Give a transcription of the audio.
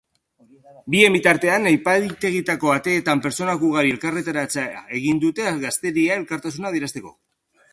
Bien bitartean, epaitegietako ateetan pertsona ugarik elkarretaratzea egin dute gazteari elkartasuna adierazteko.